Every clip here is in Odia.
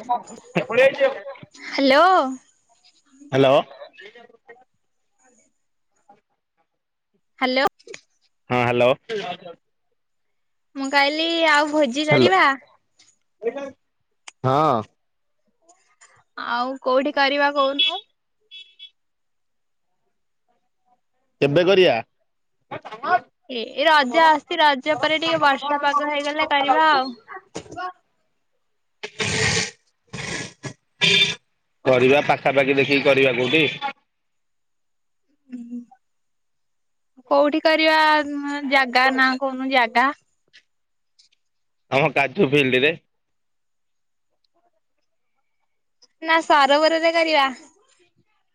ହ୍ୟାଲୋ ହ୍ୟାଲୋ [inaudible] ହ୍ୟାଲୋ ହଁ ହ୍ୟାଲୋ। ମୁଁ କହିଲି ଆଉ ଭୋଜି ହ୍ୟାଲୋ କରିବା ହଁ। ଆଉ କୋଉଠି କରିବା କଉନୁ। [inaudible] କେବେ କରିବା? ଏ ରଜ ଆସଛି ରଜ ପରେ ଟିକେ ବର୍ଷା ପାଗ ହେଇଗଲେ କରିବା ଆଉ। କରିବା ପାଖାପାଖି ଦେଖିକି କରିବା କୋଉଠି। ଉହୁ କୋଉଠି କରିବା ଜାଗା ନାଁ କହୁନୁ ଜାଗା। ଆମ କାଯୁ ଫିଲ୍ଡି ରେ। ନା ସରୋବରରେ କରିବା।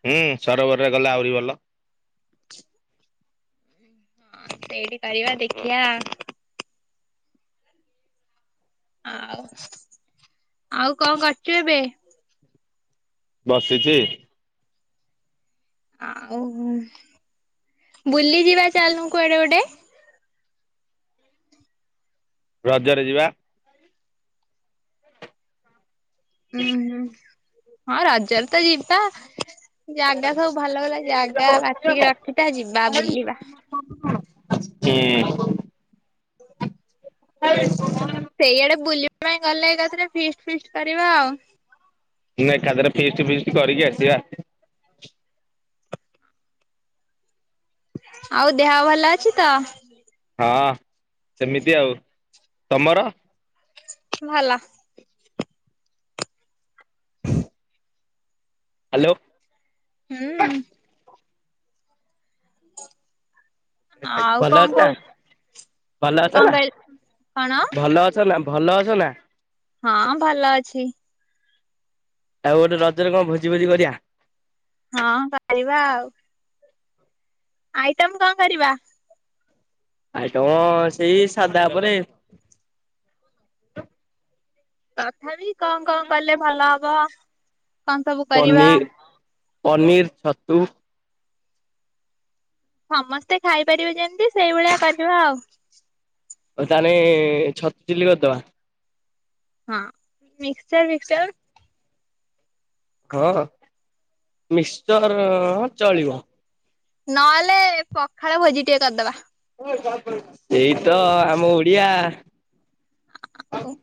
ହୁଁ ସରୋବରରେ ଗଲେ ଆହୁରି ଭଲ। ହଁ ସେଇଠି କରିବା ଦେଖିବା। ଆଉ ଆଉ କଣ କରୁଚୁ ଏବେ? ବସିଛି। ଆଉଁ ବୁଲି ଯିବା ଚାଲନୁ କୁଆଡେ ଗୋଟେ? ରଜରେ ଯିବା। ଉୁଁ- ହୁଁ -ହଁ ରଜରେ ତ ଯିବା। ଜାଗା ସବୁ ଭଲ ଭଲ ଜାଗା ବାଛିିକି ରଖିଥା ଯିବା ବୁଲିବା। [unintelligible] ସେଇଆଡ଼େ ବୁଲିବା ପାଇଁ ଗଲେ ଏକାଥରେ ଫିଷ୍ଟ ଫିଷ୍ଟ କରିବା ଆଉ। ନା ଏକାଥରେ ଫିଷ୍ଟି ଫିଷ୍ଟି କରିକି ଆସିବା। ଆଉ ଦେହ ଭଲ ଅଛି ତ? ହଁ ସେମିତି ଆଉ ତମର? ଭଲ। ହାଲୋ। ହୁଁ ଉଁ। [inaudible] ଆଉ ଭଲ ଅଛ କଣ ନା କୋହୁଚୁ ଭଲ ଅଛ କଣ ନା କହିଲ କଣ? ଭଲ ଅଛ ନା ଭଲ ଅଛ ନା? ହଁ ଭଲ ଅଛି। ଆଉ ଗୋଟେ ରଜରେ କଣ ଭୋଜି ଫୋଜି କରିଆ? ହଁ କରିବା ଆଉ। ଆଇଟମ୍ କଣ କରିବା? ଆଇଟମ୍ ସେଇ ସାଧା ଉପରେ। ତଥାପି କଣ କଣ କଲେ ଭଲ ହବ କଣ ସବୁ କରିବା? ପନିର୍ ଛତୁ ସମସ୍ତେ ଖାଇପାରିବେ ଯେମିତି ସେଇଭଳିଆ କରିବା ଆଉ। ହୋଉ ତାହେଲେ ଛତୁ ଚିଲି କରିଦବା? ହଁ ମିକଶ୍ଚର ଫିକ୍ସଚର ହଁ। ମିକ୍ସଚର ହଁ ଚଳିବ। ନହେଲେ ପଖାଳ ଭୋଜି ଟିଏ କରଦବା। ଏଇ ତ ଆମ ଓଡ଼ିଆ। ଆଉ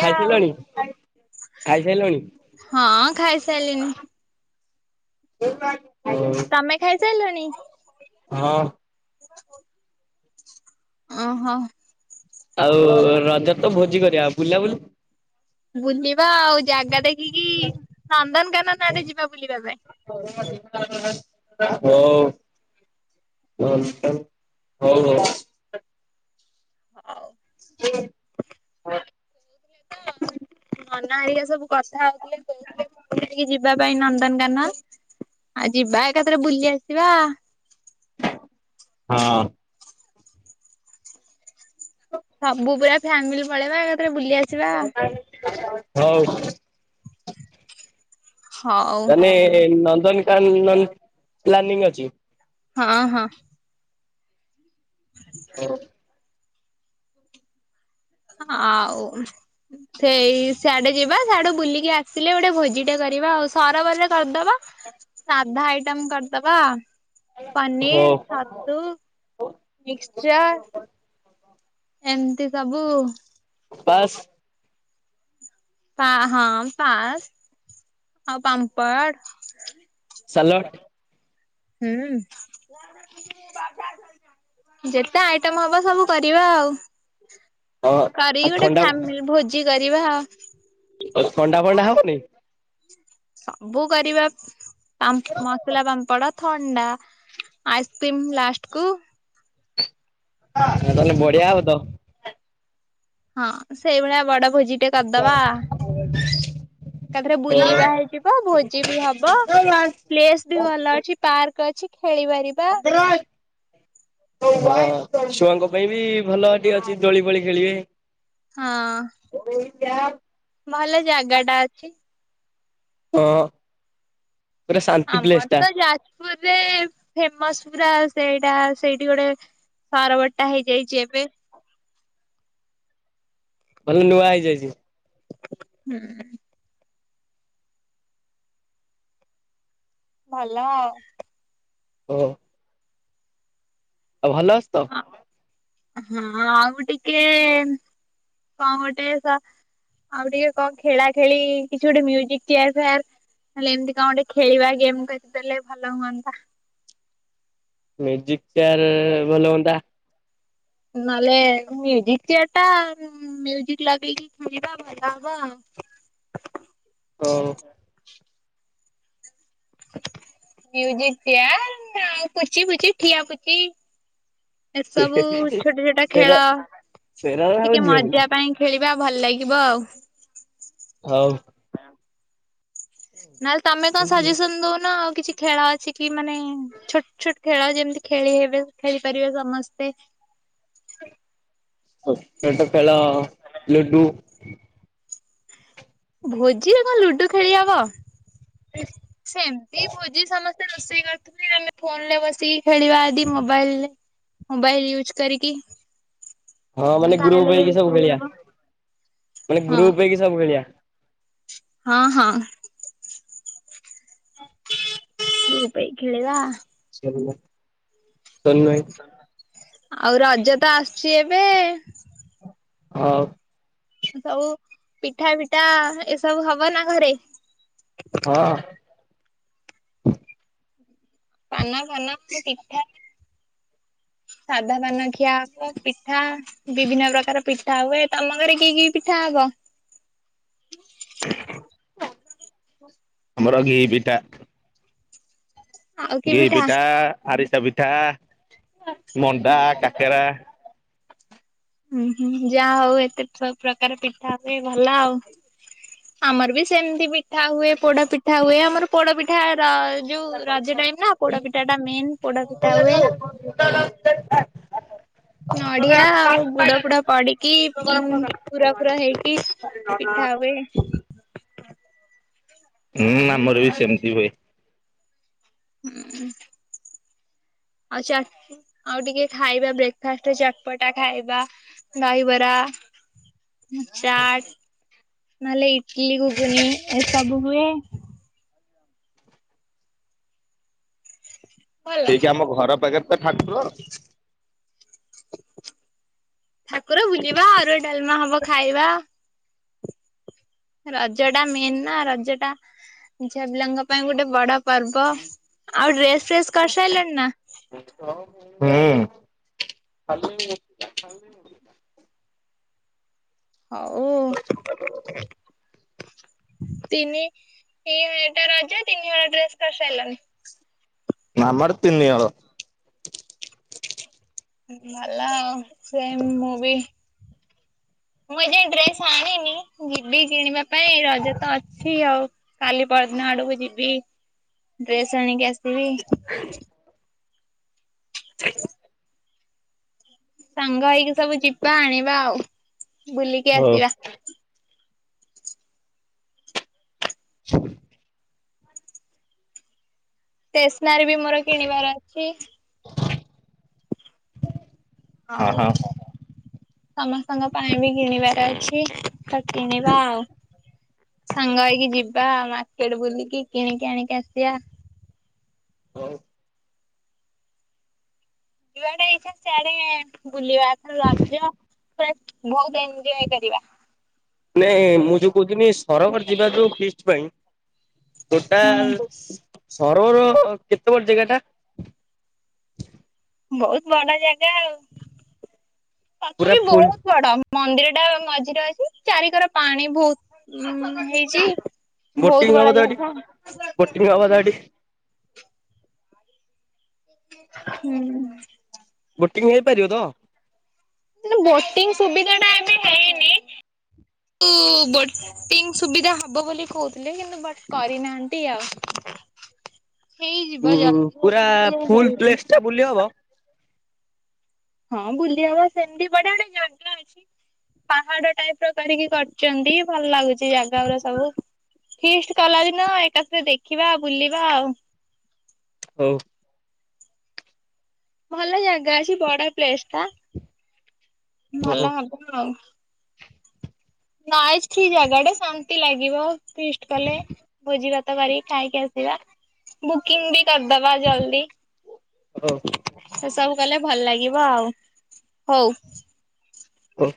କଣ ଖାଇସାଇଲଣି ଖାଇସାଇଲଣି ହଁ ଖାଇସାଇଲିଣି। ଓଉ। ତମେ ଖାଇସାଇଲଣି। ହଁ। ଅ ହଁ। ଆଉ ରଜ ତ ଭୋଜି କରିବା ବୁଲା ବୁଲି ବୁଲିବା ଆଉ ଜାଗା ଦେଖିକି ନନ୍ଦନକାନନ ଆଡେ ଯିବା ବୁଲିବା ପାଇଁ। ହଉ। ଘଣ୍ଟନ ହଉ ହଉ। ହଉ। [inaudible] ନନା ହେରିକା ସବୁ କଥା ହଉଥିଲେ କହୁଥିଲେ ପିକିନିକି ଯିବା ପାଇଁ ନ ନ୍ଦନକାନ ଆ ଯିବା ଏକାଥରେ ବୁଲି ଆସିବା। ହଁ। ସବୁ ପୁରା ଫ୍ୟାମିଲି ପଳେଇବା ଏକାଥରେ ବୁଲି ଆସି [unintelligible] ହଉ। ହଉ ତାନେ ନନ୍ଦନକାନନ ପ୍ଲାନିଂ ଅଛି। ହଁ ହଁ। [inaudible] ହଉ। ଆଉ [inaudible] ସେଇ ସିଆଡେ ଯିବା, ସିଆଡୁ ବୁଲିକି ଆସିଲେ ଗୋଟେ ଭୋଜି ଟେ କରିବା ଆଉ। ସରୋବରରେ କରିଦବା। ସାଧା ଆଇଟମ୍ କରିଦବା। ହଉ ପନିର୍, ଛତୁ, ମିକ୍ସଚର ଏମିତି ସବୁ ବାସ୍। ପା ହଁ ପାସ୍ [inaudible] ଆଉ ପାମ୍ପଡ଼୍। [inaudible] ସାଲଡ। ହୁଁ ମୋ ବାପାଲୋ [inaudible] ଯେତେ ଆଇଟମ ହବ ସବୁ କରିବା ଆଉ। ହଁ ଆଉ କରିକି ଗୋଟେ ଥଣ୍ଡା ଫ୍ୟାମିଲି ଭୋଜି କରିବା ଆ। ଆଉ ଥଣ୍ଡା, ଫଣ୍ଡା ହବନି? ସବୁ କରିବା [inaudible] ପାମ୍ ମସଲା ପାମ୍ପଡ। ଥଣ୍ଡା [inaudible] ଆଇସକ୍ରିମ ଲାଷ୍ଟ୍ କୁ ତାହେଲେ ବଢିଆ ହବ ତୋ। ହଁ ସେଇଭଳିଆ ବଡ ଭୋଜି ଟେ କରିଦବା। [unintelligible] ଏକାଥରେ ବୁଲିବା ହେଇଯିବ। ଭୋଜି ବି ହବ। [inaudible] ପ୍ଲେସ ବି ଭଲ ଅଛି। ପାର୍କ ଅଛି ଖେଳି ପାରିବା। ମକରାଇ [inaudible] ଛୁଆଙ୍କ ପାଇଁ ବି ଭଲ ଏଠି ଅଛି। ଦୋଳି ଫଳି ଖେଳିବେ। ହଁ। ଓ ଏଇଟା ଭଲ ଜାଗା ଟା ଅଛି। ହଁ [inaudible] ପୁରା ଶାନ୍ତି ପ୍ଲେସ୍ ଟା। ମାନେ [inaudible] ଫେମସ୍ ପୁରା ସେଇଟା। ସେଇଠି ଗୋଟେ ସାର ବଟା ହେଇଯାଇଛି ଏବେ। ଭଲ ନୂଆ ହେଇଯାଇଛି। [inaudible] ହୁଁ। ଭଲ ଆଉ। ହଁ। ଆଉ ଭଲ ଅସ ତ? ହଁ ଆଉ ଟିକେ ଏ ଏ ଏ [inaudible] ପାଓଟେ ଶା ଆଉ ଟିକେ କଣ ଖେଳା ଖେଳି, କିଛି ଗୋଟେ ମ୍ୟୁଜିକ୍ ଚେୟାର୍ ଫେୟାର୍ ହେଲେ ଏମିତି କଣ ଗୋଟେ ଖେଳିବା ଗେମ୍ କରିଦେଲେ ଭଲ ହୁଅନ୍ତା। ମ୍ୟୁଜିକ୍ ଚେୟାର୍ ଭଲ ହୁଅନ୍ତା। ନହେଲେ ମ୍ୟୁଜିକ୍ ଚେୟାର୍ ଟା ମ୍ୟୁଜିକ୍ ଲଗେଇକି ଖେଳିବା ଭଲ ହବ। ହଁ। [inaudible] ମ୍ୟୁଜିକ୍ ଚେୟାର୍ ପୁଚି ଫୁଚି ଠିଆ ପୁଚି। ଏସବୁ ଛୋଟ ଛୋଟ ସେରା ଖେଳ। [inaudible] ସେରା ସବୁ ଟିକେ ଝିଅ ପିଲା ମଜା ପାଇଁ ଖେଳିବା ଭଲ ଲାଗିବ ଆଉ। ହଉ। ନହେଲେ ତମେ କଣ ସଜେସନ୍ ଦଉନ ଆଉ କିଛି ଖେଳ ଅଛି କି ମାନେ ଛୋଟ୍ ଛୋଟ୍ ଖେଳ ଯେମିତି ଖେଳି ହେବେ ଖେଳିପାରିବେ ସମସ୍ତେ। ଗୋଟିଏ ତ ଖେଳ ଲୁଡୁ। ଭୋଜିରେ କଣ ଲୁଡୁ ଖେଳିହବ ସେମିତି ଭୋଜି ସମସ୍ ତୋ ରୋଷେଇ କରିଥିବେ ଆମେ ଫୋନ ରେ ବସିକି ଖେଳିବା ଆଦି ମୋବାଇଲରେ ମୋବାଇଲ୍ ୟୁଜ୍ କରିକି। ହଁ ମାନେ ଗ୍ରୁପ ତାହେଲେ ହେଇକି ସବୁ ଖେଳି ଖେଳିଆ ହବ। ମାନେ ହଁ ଗ୍ରୁପ ହେଇକି ସବୁ ଖେଳିଆ। ହଁ ହଁ। ରୁପାଇ ଖେଳିିବା? ସେ ସାନ ଭାଇ ଆଉ ରଜ ତ ଆସିଛି ଏବେ ହଉ ସବୁ ପିଠା ପିଠା ଏସବୁ ହବ ନା ଘରେ? ହଁ ପାନ ପାନ ପିଠା ସାଧା ପାନ ଖିଆ ହବ ପିଠା ବିଭିନ୍ନ ପ୍ରକାର ପିଠା ହୁଏ ତମ ଘରେ କି କି ପିଠା ହବ? ଆମର ଘି ପିଠା। ଆଉ କି ଘି ପିଠା ଆରିସା ପିଠା ମଣ୍ଡା କାକେରା। ହୁଁ ହୁଁ ଯାହା ହଉ ଏତେ ପ୍ର ପ୍ରକାର ପିଠା ହୁଏ ଭଲ ଆଉ। ଆମର ବି ସେମତି ମିିଠା ହୁଏ ପୋଡ ପିଠା ହୁଏ ଆମର ପୋଡପିଠା ରଜ ଯୋଉ ରଜ ଟାଇମ ନା ପୋଡପିଠା ଟା ମେନ ପୋଡପିଠା ହୁଏ। ନଡିଆ ଆଉ ଗୁଡ ଫୁଡ ପଡିକି ହୁଁ ପୁରା ପୁର ହେଇକି ପିଠା ହୁଏ। ହୁଁ ଆମର ବି ସେମିତି ବି ହୁଏ। ହୁଁ ଆ ଚା ଆଉ ଟିକେ ଖାଇବା ବ୍ରେକ୍ଫାଷ୍ଟ ହେଇଚି ଚକପଟା ଖାଇବା ଦହିବରା ଚାଟ ନହେଲେ ଇଟଲିି ଘୁଗୁନି ଏସବୁ ହୁଏ। ଭଲ ହେଇକି ଆମ ଘର ପାଖରେ ତ ଠାକୁର! ଠାକୁର ବୁଲିବା ଆରୁଆ ଡାଲମା ହବ ଖାଇବା। ରଜ ଟା ମେନ୍ ନା ରଜ ଟା ଝିଆ ପିଲାଙ୍କ ପାଇଁ ଗୋଟେ ବଡ ପର୍ବ। ଆଉ ଡ୍ରେସ୍ ଫ୍ରେସ୍ କରିସାରିଲଣି ନା? ହୁଁ [unintelligible] ଚାଲ [unintelligible] ହଉ ତିନି ଏ ଏଇଟା ରଜ ତିନି ବଳା ଡ୍ରେସ କରିସାରଲଣିି। ମାମାର ତିନି ହଳ। ଭଲ ଆଉ ସେ ମୁଁ ବି ମୁଁ ଏଯାଇ ଡ୍ରେସ ଆଣିନି ଯିବି କିଣିବା ପାଇଁ ରଜ ତ ଅଛି ଆଉ। କାଲି ପରଦିନ ଆଡକୁ ଯିବି, ଡ୍ରେସ ଆଣିକି ଆସିବି। ହ [unintelligible] ସାଙ୍ଗ ହେଇକି ସବୁ ଯିବା ଆଣିବା ଆଉ ବୁଲିକି ହଉ। ଆସିବା। ଶୁକ୍ରା [unintelligible] ଷ୍ଟେସନାରୀ ବି ମୋର କିଣିବାର ଅଛି। ହଁ ଆଉ ହଁ। ସମସ୍ତଙ୍କ ପାଇଁ ବି କିଣିବାର ଅଛି। କିନିବା ଆଉ। ସାଙ୍ଗ ହେଇକି ଯିବା ମାର୍କେଟ ବୁଲିକି କିଣିକି ଆଣିକି ଆସିବା। ହଉ। ଯୁଆଡ଼େ ଇଛା ସେଆଡେ ବୁଲିବା ଏଥର ରଜ। ବହୁତ ଏଞଜୟ କରିବା। ନାଇ ମୁଁ ଯୋଉ କହୁଥିଲିନି ସରର ଯିବା ଯୋଉ ଫିଷ୍ଟ ପାଇଁ ହୁଁ। ଟୋଟାଲ ସହରର କେତେ ବଡ ଜାଗା ଟା? ବହୁତ ବଡ ଜାଗା ଆଉ ତଥାପି ପୁରା ବି ଫୁଲ ବହୁତ ବଡ। ମନ୍ଦିର ଟା ମଝିରେ ଅଛି ଚାରିିକର ପାଣି ବହୁତ ହେଇଛି। ବୋଟିଂ ବହୁତ ହବ ବଡ ତ ଏଠି? ଯାଗା [unintelligible] ହୁଁ। ବୁଟିଂ ହେଇପାରିବ ତ? ବୋଟିଂ ସୁବିଧା ଟା ଏବେ ହେଇନି। [inaudible] ବୋଟିଂ ସୁବିଧା ହବ ବୋଲି କହୁଥିଲେ କିନ୍ତୁ ବଟ କରିନାହାନ୍ତି ଆଉ। ହେଇଯିବ ଜଲ୍ଦି ଏତେ ପୁରାଫୁଲ ହେଇନି। [unintelligible] ବୁଲି ହବ? ହଁ ବୁଲି ହବ ସେମିତି ବଡେ ଗୋଟେ [inaudible] ପାହାଡ ଟାଇପ ର କରିକି କରିଛନ୍ତି ଭଲ ଲାଗୁଛି। କି ଜାଗା ଗୁରା ସବୁ ଭିଷ୍ଟି କଲା ଦିନ ଏକାଥରେ ଦେଖିବା ବୁଲିବା ଆଉ। ହଉ। ଭଲ ଜାଗା ଅଛି ବଡ ପ୍ଲେସ ଟ ହଉ ଭଲ ହବ ଆଉ। [inaudible] ଜାଗା ଟେ ଶାନ୍ତି ଲାଗିବ ଫିଷ୍ଟ କଲେ ବୋଝି କରି ଖାଇକି ଆସିବା ବୁକିଂ ବି କରିଦବା ଜଲଦି। ହଉ ସେ ସବୁ କଲେ ଭଲ ଲାଗିବ ଆଉ ହଉ। ହଁ।